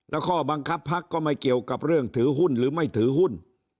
แล้วข้อบังคับพักก็ไม่เกี่ยวกับเรื่องถือหุ้นหรือไม่ถือหุ้น